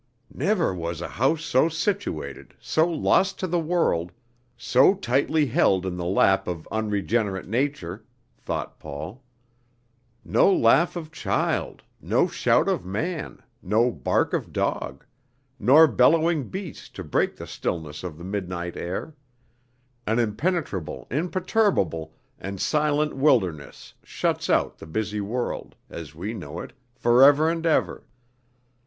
"Never was a house so situated, so lost to the world, so tightly held in the lap of unregenerate nature," thought Paul; "no laugh of child, no shout of man, no bark of dog, nor bellowing beast to break the stillness of the midnight air; an impenetrable, imperturbable, and silent wilderness shuts out the busy world, as we know it, forever and forever.